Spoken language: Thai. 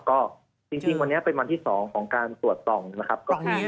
ก็จริงวันนี้เป็นวันที่๒ของการตรวจส่องนะครับก็คือ